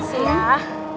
si wulan sih ya